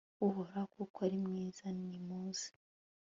uhoraho kuko ari mwiza; nimuze